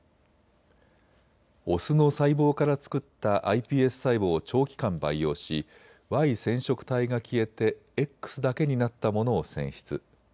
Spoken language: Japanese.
オスの細胞から作ったｉＰＳ細胞を長期間培養しＹ染色体が消えてＸだけになったものを選出。